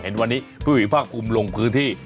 เห็นวันนี้คุณผู้ที่ผู้ชมในภาครูมลงพื้นที่